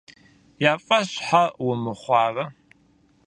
Я фӀэщ щхьэ умыхъуарэ?